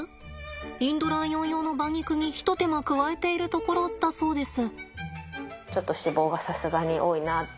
インドライオン用の馬肉に一手間加えているところだそうです。